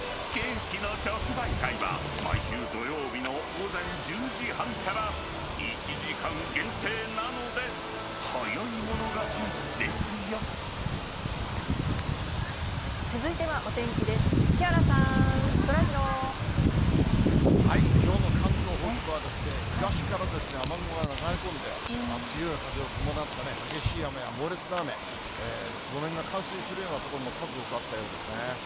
毎週土曜日の午前１０時半から、１時間限定なので、早い者勝ちできょうの関東北部は、東から雨雲が流れ込んで、強い風を伴って激しい雨や猛烈な雨、路面が冠水するような所も数多くあったようですね。